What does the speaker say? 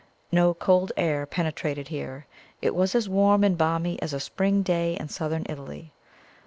No cold air penetrated here; it was as warm and balmy as a spring day in Southern Italy.